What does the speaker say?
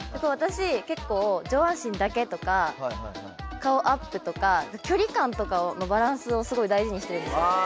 私結構上半身だけとか顔アップとか距離感とかのバランスをすごい大事にしてるんですよ